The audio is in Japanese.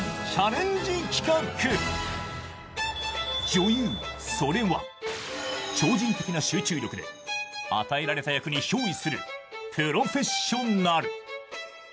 女優、それは超人的な集中力で与えられた役に憑依するプロフェッショナル。